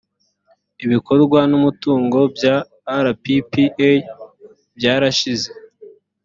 ibikorwa n umutungo bya rppa byarashize